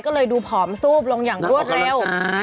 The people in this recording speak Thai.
ก็เลยดูผอมซูบลงอย่างรวดเร็ว